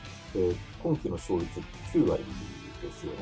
今期の勝率９割ですよね。